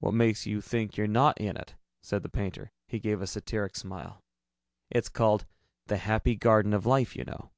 "What makes you think you're not in it?" said the painter. He gave a satiric smile. "It's called 'The Happy Garden of Life,' you know."